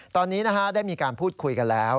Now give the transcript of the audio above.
ตอนนี้ได้มีการพูดคุยกันแล้ว